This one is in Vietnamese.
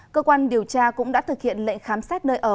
cơ quan điều tra cũng đã thực hiện lệnh khám xét nơi ở